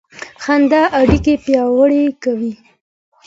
خندا اړیکې پیاوړې کوي.